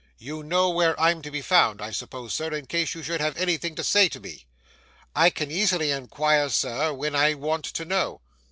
You know where I'm to be found, I suppose, sir, in case you should have anything to say to me?' 'I can easily inquire, sir, when I want to know.